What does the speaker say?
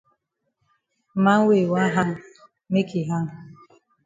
Man wey yi wan hang make yi hang.